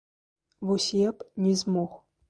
Вось я б не змог.